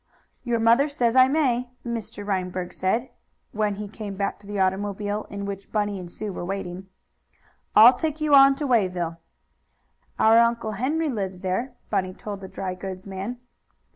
"Your mother says I may," Mr. Reinberg said, when he came back to the automobile, in which Bunny and Sue were waiting. "I'll take you on to Wayville." "Our Uncle Henry lives there," Bunny told the dry goods man.